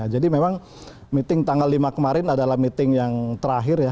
jadi memang meeting tanggal lima kemarin adalah meeting yang terakhir ya